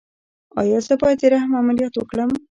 ایا زه باید د رحم عملیات وکړم؟